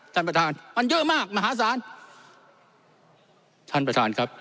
ท่านประธานมันเยอะมากมหาศาลท่านประธานครับ